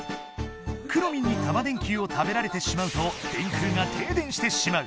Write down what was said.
くろミンにタマ電Ｑを食べられてしまうと電空がてい電してしまう。